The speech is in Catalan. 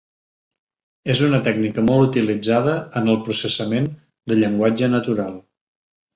És una tècnica molt utilitzada en el processament de llenguatge natural.